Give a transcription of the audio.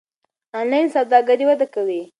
انلاین سوداګري وده کوي.